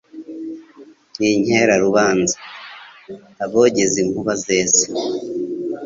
N' inkerarubanza; Abogeza inkuba zesa,